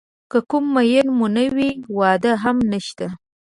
که کوم مېن مو نه وي واده هم نشته.